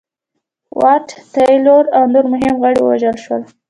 واټ تایلور او نور مهم غړي ووژل شول.